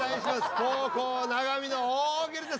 後攻永見の大喜利です。